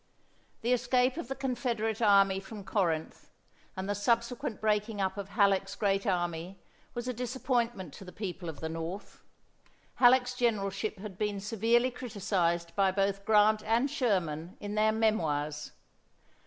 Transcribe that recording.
The escape of the Confederate army from Corinth, and the subsequent breaking up of Halleck's great army was a disappointment to the people of the North. Halleck's generalship has been severely criticized by both Grant and Sherman in their "Memoirs."